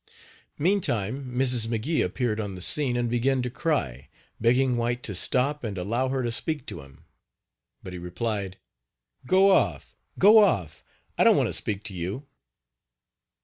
Meantime, Mrs. McGee appeared on the scene, and began to cry, begging White to stop and allow her to speak to him. But he replied: "Go off, go off, I don't want to speak to you."